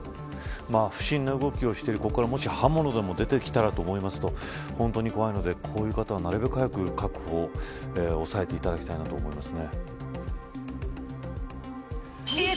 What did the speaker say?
不審な動きをしているここから刃物でも出てきたらと思うと本当に怖いので、こういう方はなるべく早く確保押さえていただきたいと思います。